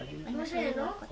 banyaknya dari luar kota